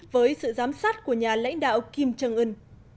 với sự giám sát của nhà lãnh đạo kim trương ưn